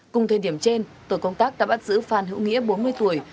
cùng thời điểm trên tội công tác đã bắt giữ phan hữu nghĩa bốn mươi tuổi